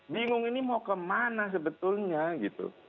bingung ini mau kemana sebetulnya gitu